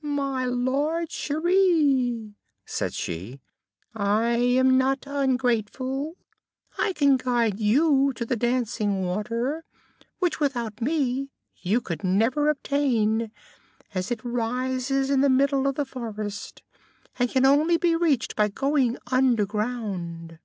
"My Lord Cheri," she said, "I am not ungrateful; I can guide you to the dancing water, which, without me, you could never obtain, as it rises in the middle of the forest, and can only be reached by going underground."